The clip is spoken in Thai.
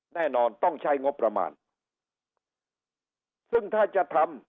แน่นอนต้องใช้งบประมาณซึ่งถ้าจะทำ